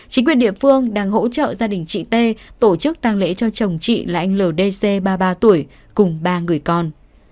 chính quyền địa phương đang hỗ trợ gia đình chị t tổ chức tăng lễ cho chồng chị là anh ldc ba mươi ba tuổi cùng ba người con